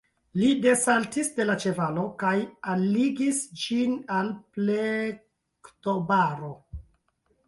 Li desaltis de la ĉevalo kaj alligis ĝin al plektobaro.